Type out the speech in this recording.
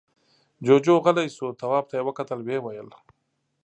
جُوجُو غلی شو. تواب ته يې وکتل، ويې ويل: